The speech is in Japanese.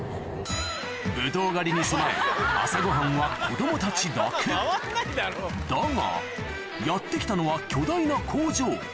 ブドウ狩りに備え朝ごはんは子供たちだけだがやって来たのは巨大な工場